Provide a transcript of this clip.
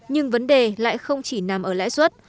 nhưng vấn đề lại không chỉ nằm ở lãi suất